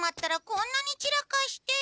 こんなにちらかして。